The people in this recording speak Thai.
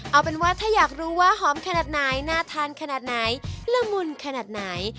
เอาเป็นว่าถ้าอยากรู้ว่าหอมขนาดไหนน่าทานขนาดไหนละมุนขนาดไหน